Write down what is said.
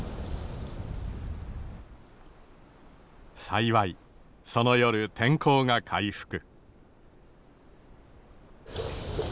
幸いその夜天候が回復。